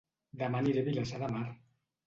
Dema aniré a Vilassar de Mar